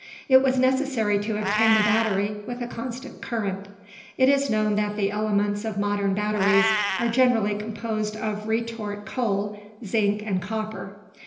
It was necessary to obtain a battery with a constant current. It is known that the elements of modern batteries are generally composed of retort coal, zinc, and copper.